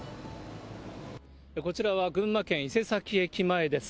こちらは群馬県伊勢崎駅前です。